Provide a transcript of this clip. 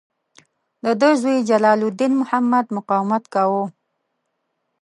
د ده زوی جلال الدین محمد مقاومت کاوه.